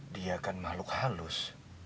dia kan makhluk halus